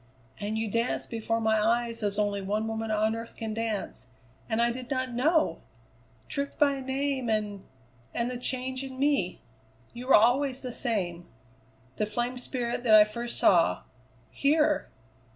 "And you danced before my eyes as only one woman on earth can dance and I did not know! Tricked by a name and and the change in me! You were always the same the flame spirit that I first saw here!"